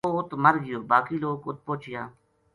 وہ اُت مر گیو باقی لوک اُت پوہچیا